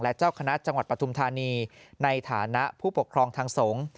และเจ้าคณะจังหวัดปฐุมธานีในฐานะผู้ปกครองทางสงฆ์